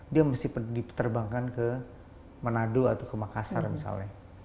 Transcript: dia mesti diperterbangkan ke manado atau ke makassar misalnya